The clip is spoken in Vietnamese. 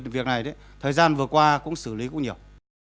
việc này thời gian vừa qua cũng xử lý cũng nhiều